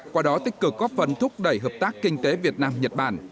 qua đó tích cực góp phần thúc đẩy hợp tác kinh tế việt nam nhật bản